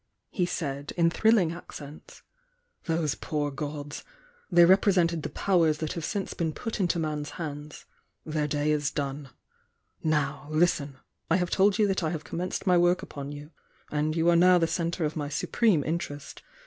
he said, in thrilling accents, — "Those poor gods! They repre sented the powers that have since been put into man's hands, — their day is done! Now, hsten! — I have told you that I have commenced my work upon you, — and you are now the centre of my supreme interest.